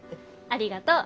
ありがとう！